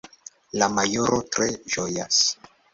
La majoro tre ĝojos.